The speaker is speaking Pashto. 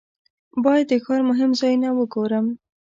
باید د ښار مهم ځایونه وګورم.